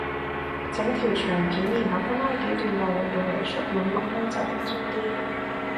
整條長片然後分開幾段內容用嚟出文錄音就輕鬆啲